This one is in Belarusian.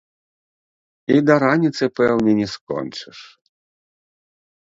І да раніцы, пэўне, не скончыш?